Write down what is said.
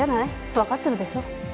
分かってるでしょ